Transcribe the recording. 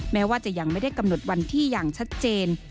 แม้ว่าจะยังไม่ได้กำหนดวันที่อย่างชัดเจน